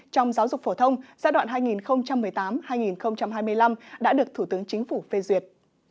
trong giáo dục phổ thông giai đoạn hai nghìn một mươi tám hai nghìn hai mươi năm đã được thủ tướng chính phủ phê duyệt